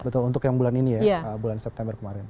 betul untuk yang bulan ini ya bulan september kemarin